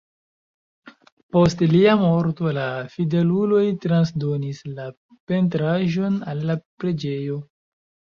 Post lia morto la fideluloj transdonis la pentraĵon al la preĝejo.